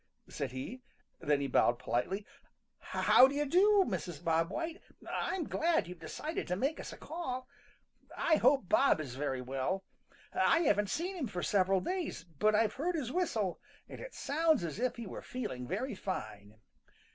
said he. Then he bowed politely. "How do you do, Mrs. Bob White? I'm glad you've decided to make us a call. I hope Bob is very well. I haven't seen him for several days, but I've heard his whistle and it sounds as if he were feeling very fine."